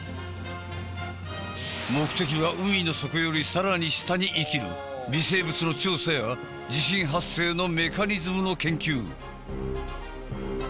目的は海の底より更に下に生きる微生物の調査や地震発生のメカニズムの研究。